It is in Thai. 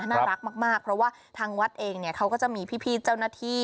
น่ารักมากเพราะว่าทางวัดเองเนี่ยเขาก็จะมีพี่เจ้าหน้าที่